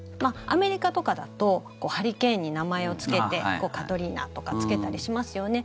アメリカとかだとハリケーンに名前をつけてカトリーナとかつけたりしますよね。